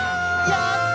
やった！